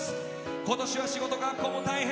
今年は仕事、学校も大変。